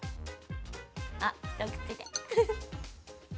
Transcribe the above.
あ一口で。